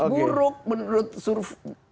buruk menurut suruf